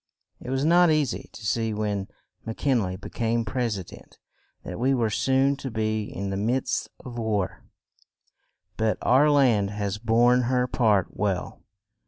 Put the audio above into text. It was not eas y to see when Mc Kin ley be came pres i dent that we were soon to be in the midst of war; but our land has borne her part well.